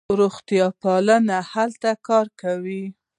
روغتیاپالان هلته کار کوي.